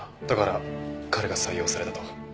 だから彼が採用されたと？